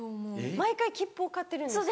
毎回切符を買ってるんですか？